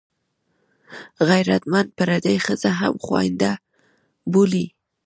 غیرتمند پردۍ ښځه هم خوینده بولي